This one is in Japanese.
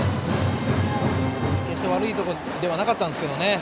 決して悪いボールではなかったんですけどね。